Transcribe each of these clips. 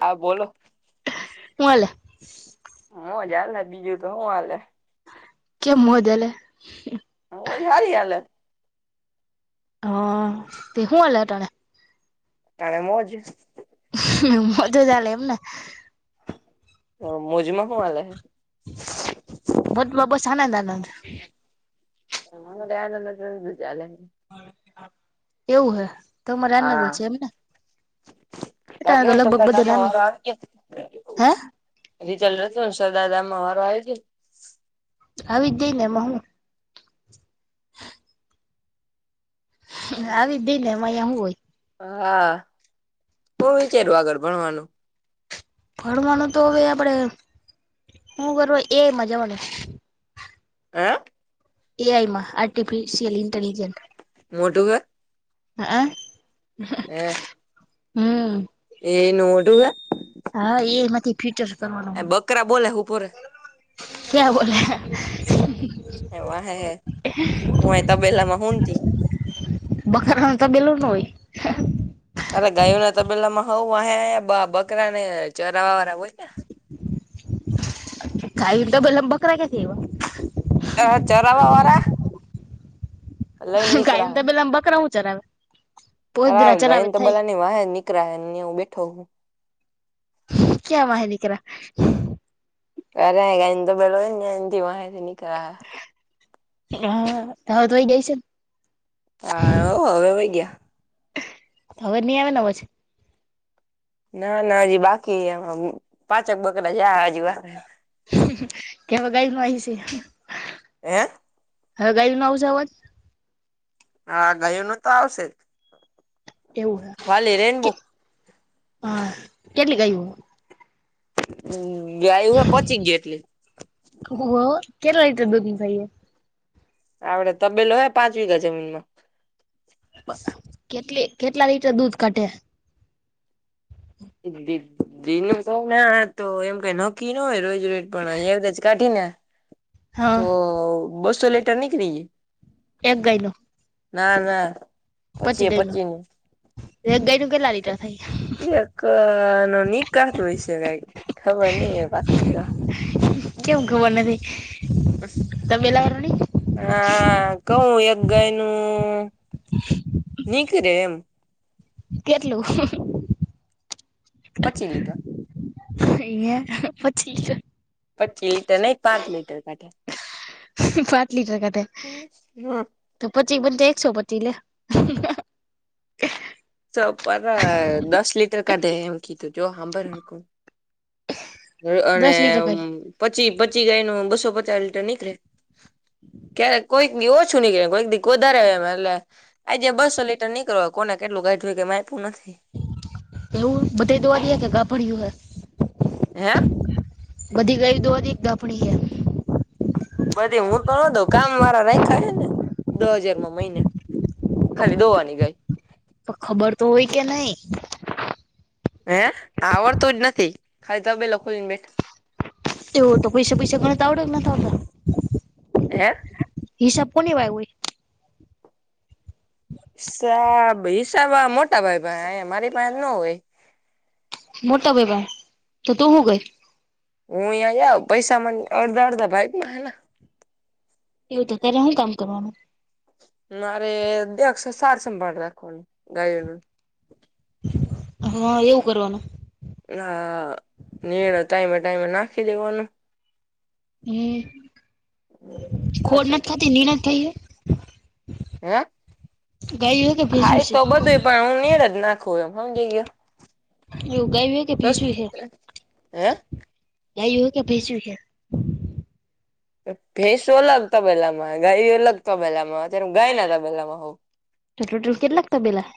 હા બોલો. હું હાલે હા જાલે બીજું તો હું હાલે. કેમ મોદલે. [unintelligible] હારી હાલે. હા તે હું આલે તને. તણે મોજ. મોઝ જ ચાલે એમને? હા મોઝમાં હું હાલે? બધ બસ આનંદ આનંદ. [inaudible] એવું હે, તમારે આનંદ હા છે એમને? બાકી અટાણે તો લગભગ બધે નાનું [inaudible] આવી હે ગેય રીઝલટ હતું ને સરદારદામ માં વારો આવી ગેય. આવી દઈને એમાં હું? આવી જ દઈને એમાં અહીયાં હું હોય. હા, તો વિચાર્યું આગળ ભણવાનું. ભણવાનું તો હવે આપડે, હું કર એ મઝાવાનું. હે! એ આઈ માં આર્ટિફિશિયલ ઇન્ટેલિજન્. મોટુંગ. હા હ. હે. હમ. એ એનું હા, એ એમાંથી ફિટ જ હે કરવાનું. બકરા બોલે ઉભો રે ક્યાં બોલે. એ વા હ હે હું એ તબેલા માં હુંતી. બખારમાં તબેલો ન હોય. અરે ગાયો ના તબેલા માં હઉ અહે બા બકરા ને ચરાવા વારા હોય ને. ખાલી ડબમ બકરા ક્યાંથી આઇવા. અ ચરાવવાવાળા. કાઈ ના તબેલામા બકરા ઉચાર આવે. અરે ગયન તો બલાની વાહે નીકહું, નિઉં હું બેઠો. ક્યાં વાંહે દીકરા. ક્યારેય ગંદો બોઇલો હોય ને એનથી વાતેય ની કરા. હા, હવે તોય ગઈ છે ન. હા, હવે વઈ ગયા. હવે ની આવે ને અવાજ. ના, ના હજી બાકી એમાં પાચક બકલા જયા હજી વા કે મગજમારી છે. હેં! હગાઈ મા આવું જાવોજ. હા, ગાયો નુ તો આવશે જ. એવું હે વાલી રેનબો કે હા, કેટલી ગાયો હમ્મ, ગાય ઉભા પચી ગયા એટલી. કેટલા લીટર દૂધની ગાયો. આવડે તબેલો ઓહે પાંચ વીઘા જમીનમાં. કેટલી કેટલા લીટર દૂધ કાઢે. દિવસો ના તો એમ કઈ નકી ન હોય રોજ- રોજ પણ [unintelligible] જ કાઢીના. [inaudible] તો બસ્સો લીટર નીકળી જાય. એક ગાય નું ના -ના. પચી પચીએ ગયેલો નું એક ગાય નુ કેટલા લીટર થાય. એક નો નિકાત હોય છે. ખબર ની એ બાકી તો. કેમ ખબર નથી. તબેલા વારો નઈ. હમ્મ, કવું એક ગાયનું નીકરે એમ. કેટલું. પચી લીટર. એઈયા પછી જ પચી લીટર નહિ, પાંચ લીટર કાઢ્યા. પાંચ લીટર કરાતે હમ તો પચી બન એકસો પચી લે. ચો પારે તો દસ લીટર કાળે એકી જો હાંભડ હરકુ. અહ અને દસ લીટર કાઢે પચી પચી ગાયનું બસો પચાસ લીટર નીકળે. કે કોઈક એવો છું, નહી કરે કોઈક દી વધારે એ લે આજે બસો લીટર નીકળો હો કોને કેટલું ગાઈઢ જોયું કે આપ્યું નથી. એવું બધા દવા દયા કે કા ભળય્યું હ હે? બધી ગાય દોહ દે દાફણી હે? બધી હું પણ વધ કામ વાળા રાખા છે ને દો હાજારમાં મહિને. ખાલી દોવા ની ગાય. તો ખબર તો હોય કે નહી? હે આવડતો જ નથી. ખાલી તબેલો ખોલી ને બેઠા તે તો પૈસા, પૈસા ગણતા આવતો કે નથ આવતો? હે? હિસાબ કોની વાય હોય? હિસાબ, હિસાબ મોટા ભાઈ પાહે મારી પાસે ન હોય. મોટા ભઈ પાહે તો તું હું ગઈ? હું યા યા પૈસા મને અડધ અડધા ભાઈ માં આલા. એવું તો અત્યારે હું કામ કરવાનું? મારે દેખ સે સાડ સંભાળ રાખવાનું ગાયોનું. હા, એવું કરવાનું. હા, નીરે ટાઈમે ટાઈમે નાખી દેવાનું. હે ખોડ નથ થતી નીડર થઈ યે. હે, ગાયું હે કે ભેજું ખાય છે તો બધું પણ, હું નીરજ ના. ખોયા હમજી ગયા. એવું ગાય વિયાય કે ભેંસુ હૈ, હે ગાય હો કે ભેંસુ હે. ભેંસો અલગ તબેલામાં, ગાય અલગ તબેલામાં. જ્યાં ગાયના તબેલામાં હઉ. તો ટોટલ કેટલાક તબેલા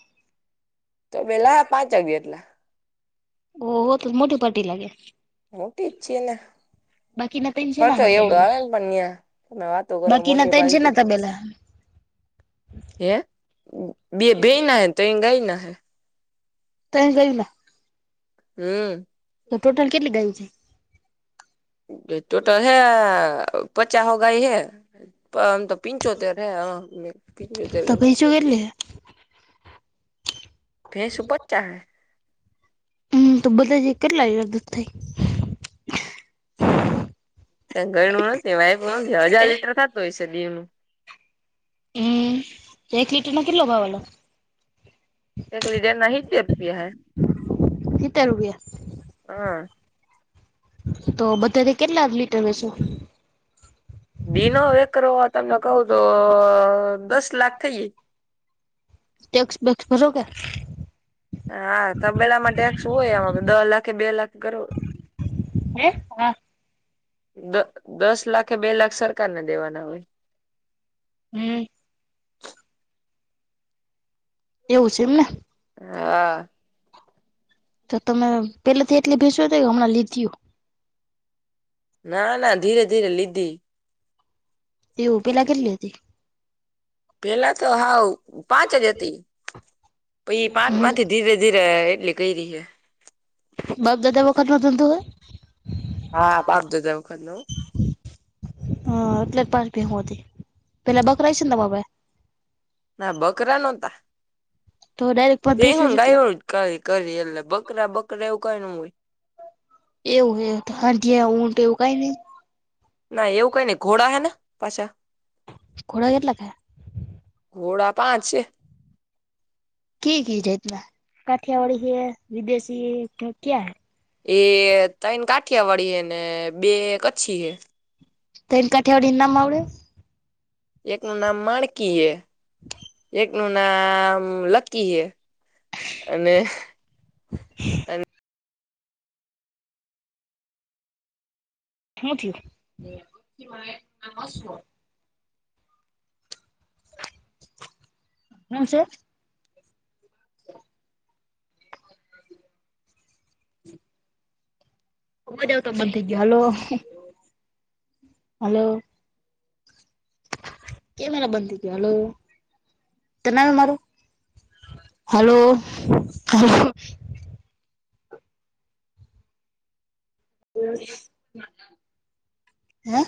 તો પેલા પાંચ વાગે એટલે. ઓહ હો તો તો મોટી પાર્ટી લાગે. મોટી જ છેએ ના. બાકીના ટેન્શન ના હોય તબેલ, ને પણ ત્યાં તમે વાતો કરો બાકીના મોટી ત્રણ પાલટી શેના તબેલા. [inaudible] હે, બે બઈના ના હે ત્રણ ગાયના હે. ત્રણ ગાય ના? હમ્મ. તો ટોટલ કેટલી ગાયો છે? તે ટોટલ હૈ. પચાસ, હો ગાય હૈ. આમ તો પિંચોતેર હૈ હા. પિંચોતેર તો ગાય. ભેજું કેટલી છે ભેંસો પચા હે. હમ્મ, તો બધા જે કેટલાગ આદત થઈ? કઈ ઘર નું હોય તે હજાર લીટર થાતું હશે દિન નું. હમ્મ, એક લીટરનો કેટલો ભાવ આલા? [unintelligible] હીત્તેર રૂપિયા. હા તો બધેથી કેટલા લીટર વેસુ? [unintelligible] તમને કહું તો દસ લાખ થઈ. ટેક્સ બેક્સ ભરો કે હા હા, તબેલામાં ટેક્સ હોય એમાં દહ લાખે બે લાખ [unintelligible] [inaudible] દસ લાખે બે લાખ સરકારને દેવાના હોય. હમ્મ. એવું છે એમને? હા. તમે, પેલેથી એટલી ભેંસુ હતી કે, હમણાં લીધ્યુ? ના ના, ધીરે ધીરે લીધી. એવું, પેલા કેટલી હતી? પેલા તો હાવ પાંચ જ હતી, પહિ ઇ હમ પાંચમાંથી ધીરે ધીરે એટલી કયરી હે. બાપ દાદા વખતનો ધંધો હે? હા, બાપ દાદા વખતનો હઅ, એટલે પાંચ ભેહુ હતી, પેલા બકરાય હસે ન તમાર પાહે! ના બકરા નોતા. [unintelligible] ભેંહું જ ન હતી ગાયુ ન [unintelligible] એલે બકરા બકરા એવું કંઈ ન [unintelligible] એવું હે, હાંઢિયા, ઉંટ એવું કાઈ નઇ! ના એવું કાઇ નઈ, ઘોડા હે ને, પાછા. ઘોડા કેટલા થયા? ઘોડા પાંચ છે. કિ કી જાય્તના? કાઠિયાવાડી હૈ, વિદેશી હે, ક્યા? એ, તય્ણ કાઠિયાવાડી હે ને, બે કચ્છી હે, તૈણ કાઠિયાવાડી ન નામ આવડ? એકનું નામ માણકી હે, એકનું નામ લકી હે અને [inaudible] શું થયું? [inaudible] [unintelligible] [inaudible] [inaudible] અવાજ આવતો તો બંધ થઈ ગ્યો, હાલો હાલો કેમ એલા બંધ ગયો? હાલો, તને આવે મારો? હાલો [inaudible] [unintelligible] હે?